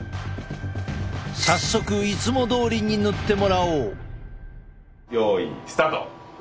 早速いつもどおりに塗ってもらおう。